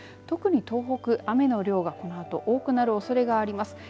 特に東北、雨の量がこのあと多くなるおそれがあります。